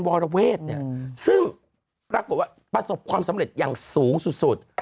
วรเวศเนี่ยซึ่งปรากฏว่าประสบความสำเร็จอย่างสูงสุด